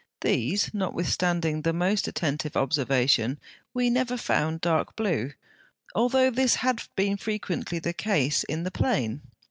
These, notwithstanding the most attentive observation, we never found dark blue, although this had been frequently the case in the plain.